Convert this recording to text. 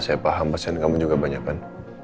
saya paham mesin kamu juga banyak kan